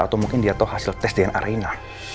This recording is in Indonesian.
atau mungkin dia tahu hasil tes dna